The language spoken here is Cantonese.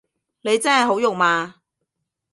你真係好肉麻